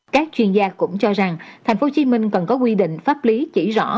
các chuyên gia cũng cho rằng thành phố hồ chí minh cần có quy định pháp lý chỉ rõ